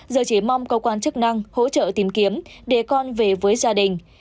giờ chỉ mong cầu quản chức năng hỗ trợ tìm kiếm để con về với gia đình